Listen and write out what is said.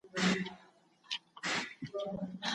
ما زده کړل چي د نورو چلند ونه شاربم.